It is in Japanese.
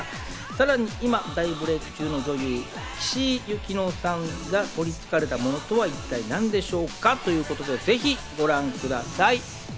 さらに今、大ブレイク中の女優・岸井ゆきのさんが取り憑かれたものとは一体何でしょうか？ということでぜひご覧ください。